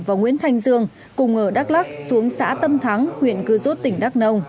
và nguyễn thanh dương cùng ở đắk lắc xuống xã tâm thắng huyện cư rốt tỉnh đắk đông